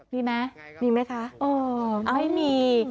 มีมั้ยมีไหมคะอ่อไม่มี